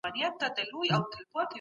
تحقیقي ادب تر تخلیقي ادب ډېر کار غواړي.